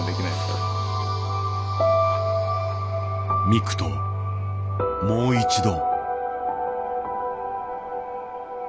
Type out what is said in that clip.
ミクともう一度。